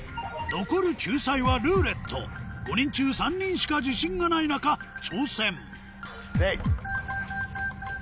残る救済は「ルーレット」５人中３人しか自信がない中挑戦えい！